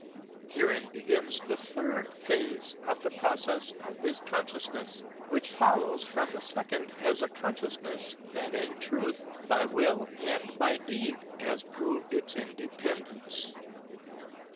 Herewith begins the third phase of the process of this con sciousness, which follows from the second as a consciousness that in truth, by will and by deed, has proved its independence.